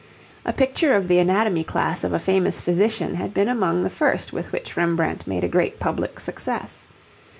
A picture of the anatomy class of a famous physician had been among the first with which Rembrandt made a great public success.